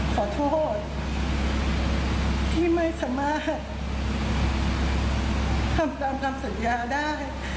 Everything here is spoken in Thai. ขอโทษที่ไม่สามารถทำตามคำสัญญาได้